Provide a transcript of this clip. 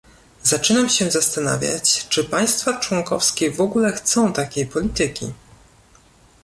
Zaczynam się zastanawiać, czy państwa członkowskie w ogóle chcą takiej polityki